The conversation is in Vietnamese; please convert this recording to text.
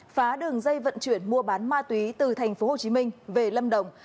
phá đường dây vận chuyển mua bán ma túy từ thành phố hồ chí minh về lâm đồng